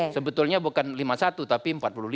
sebetulnya bukan lima puluh satu tapi empat puluh lima